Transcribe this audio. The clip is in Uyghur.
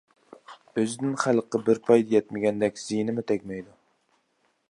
ئۆزىدىن خەلققە بىر پايدا يەتمىگىنىدەك، زىيىنىمۇ تەگمەيدۇ.